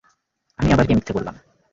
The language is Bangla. আমি আবার কি মিথ্যা বললাম?